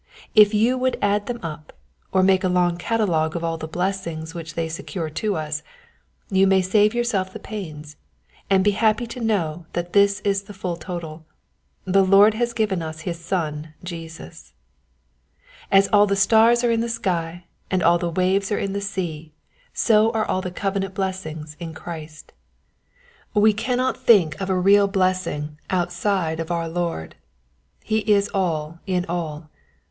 If you would add them up, or make a long catalogue of all the blessings which they secure to us, you may save yourself the pains, and be happy to know that this is the full total — the Lord has given us his Son Jesus. As all the stars are in the sky, and all the waves are in the sea, so are all covenant blessings in 128 According to the Promise. Christ. We cannot think of a real blessing out side of our Lord : He is all in all.